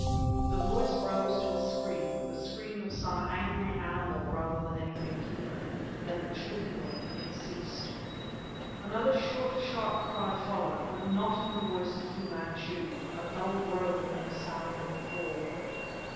The voice rose to a scream, the scream of some angry animal rather than anything human. Then, chokingly, it ceased. Another short sharp cry followed but not in the voice of Fu Manchu a dull groan, and the sound of a fall.